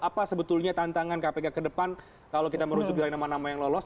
apa sebetulnya tantangan kpk kedepan kalau kita merujuk dengan nama nama yang lolos